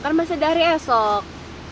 kan masih dari esok